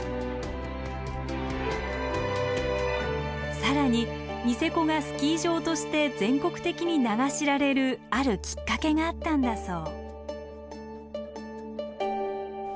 更にニセコがスキー場として全国的に名が知られるあるきっかけがあったんだそう。